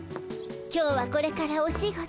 今日はこれからお仕事。